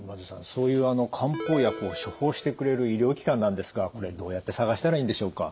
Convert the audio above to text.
そういう漢方薬を処方してくれる医療機関なんですがこれどうやって探したらいいんでしょうか？